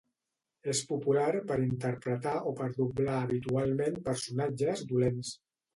És popular per interpretar o per doblar habitualment personatges dolents.